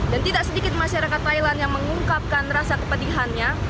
dan tidak sedikit masyarakat thailand yang mengungkapkan rasa kepedihannya